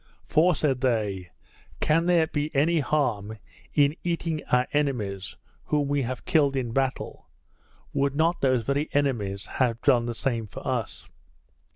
"For," said they, "can there be any harm in eating our enemies, whom we have killed in battle? Would not those very enemies have done the same to us?"